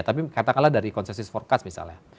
tapi katakanlah dari konsensus forecast misalnya